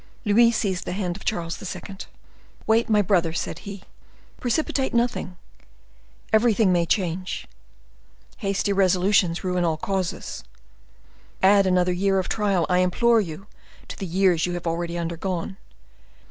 Louis seized the hand of Charles II. "Wait, my brother," said he; "precipitate nothing; everything may change; hasty resolutions ruin all causes; add another year of trial, I implore you, to the years you have already undergone.